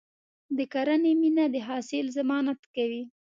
د کرنې مینه د حاصل ضمانت کوي.